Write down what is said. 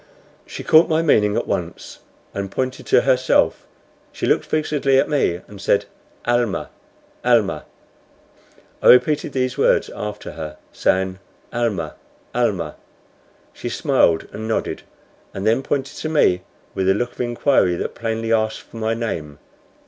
She caught my meaning at once, and, pointing to herself, she looked fixedly at me and said, "Almah, Almah!" I repeated these words after her, saying, "Almah, Almah!" She smiled and nodded, and then pointed to me with a look of inquiry that plainly asked for my name.